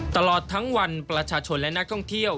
ตลอดทั้งวันประชาชนและนักท่องเที่ยว